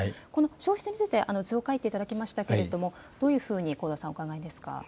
消失について図を描いていただきましたけれどもどういうふうに香田さんはお考えですか。